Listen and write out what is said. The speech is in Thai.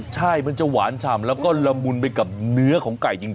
ใช่มันจะหวานฉ่ำแล้วก็ละมุนไปกับเนื้อของไก่จริง